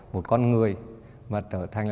một con người mà trở thành